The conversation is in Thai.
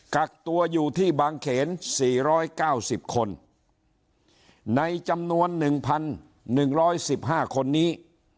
กักตัวอยู่ที่บางเขนสี่ร้อยเก้าสิบคนในจำนวนหนึ่งพันหนึ่งร้อยสิบห้าคนนี้